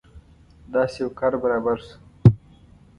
داسې یو کار برابر شو.